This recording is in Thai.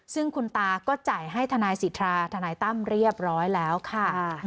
ซึ่งคุณตาก็จ่ายให้ทนายสิทธาทนายตั้มเรียบร้อยแล้วค่ะ